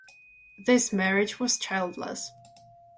This marriage was childless.